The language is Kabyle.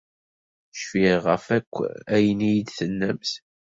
Cfiɣ ɣef akk ayen iyi-d-tennamt.